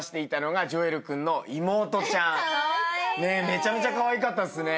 めちゃめちゃかわいかったっすね。